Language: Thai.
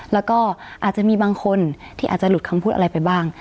แล้วก็อาจจะมีบางคนที่อาจจะหลุดคำพูดอะไรไปบ้าง